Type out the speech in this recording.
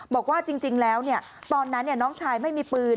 บอกว่าจริงแล้วเนี่ยตอนนั้นเนี่ยน้องชายไม่มีปืน